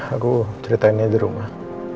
aku ceritainnya di rumah